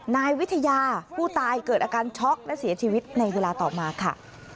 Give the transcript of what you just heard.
นายวิทยาผู้ตายเกิดอาการช็อกและเสียชีวิตในเวลาต่อมาค่ะ